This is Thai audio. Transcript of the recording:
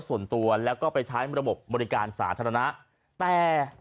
ส่วนตัวแล้วก็ไปใช้ระบบบริการสาธารณะแต่